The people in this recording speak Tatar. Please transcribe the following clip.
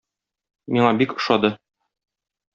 Миңа бик ошады.